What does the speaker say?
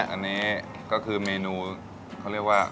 อันนี้ก็คือเมนูเขาเรียกว่า